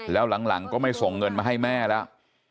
แล้วหลังก็ไม่ส่งเงินมาให้แม่แล้ว